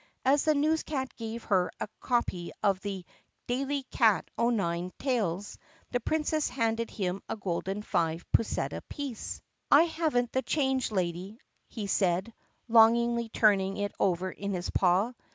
As the newscat gave her a copy of "The Daily Cat o' Nine Tales" the Princess handed him a golden five pusseta piece. 8o THE PUSSYCAT PRINCESS "I have n't the change, lady," he said, longingly turning it over in his paw.